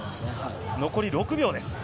残り６秒です。